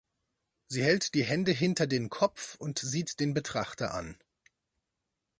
Sie hält die Hände hinter den Kopf und sieht den Betrachter an.